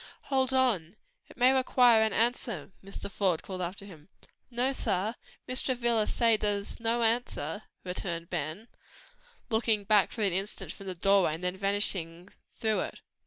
"Hold on! It may require an answer," Mr. Faude called after him. "No, sah; Mrs. Travilla say dere's no answer," returned Ben, looking back for an instant from the doorway, then vanishing through it.